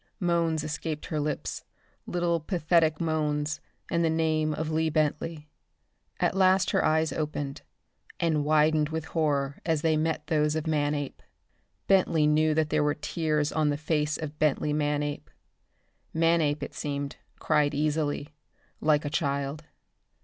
Moans escaped her lips, little pathetic moans, and the name of Lee Bentley. At last her eyes opened, and widened with horror when they met those of Manape. Bentley knew that there were tears on the face of Bentley Manape. Manape, it seemed, cried easily, like a child.